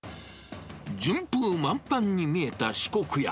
順風満帆に見えた四国屋。